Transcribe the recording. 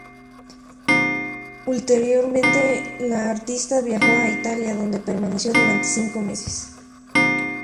Ulteriormente, la artista viajó a Italia, donde permaneció durante cinco meses.